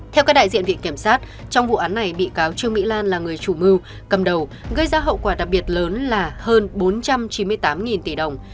theo các đại diện viện kiểm sát trong vụ án này bị cáo trương mỹ lan là người chủ mưu cầm đầu gây ra hậu quả đặc biệt lớn là hơn bốn trăm chín mươi tám tỷ đồng